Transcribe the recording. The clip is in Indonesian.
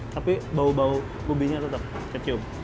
tapi bau bau ubinya tetap kecium